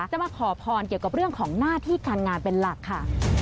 จะมาขอพรเกี่ยวกับเรื่องของหน้าที่การงานเป็นหลักค่ะ